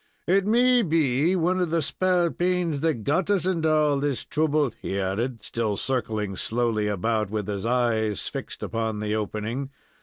"It may be one of the spalpeens that got us into all this trouble," he added, still circling slowly about, with his eyes fixed upon the opening.